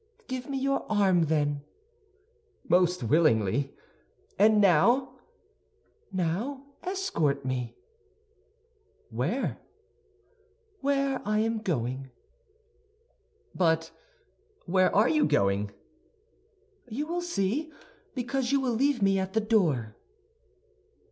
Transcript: "Give me your arm, then." "Most willingly. And now?" "Now escort me." "Where?" "Where I am going." "But where are you going?" "You will see, because you will leave me at the door."